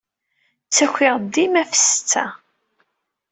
Ttakiɣ-d dima ɣef ssetta.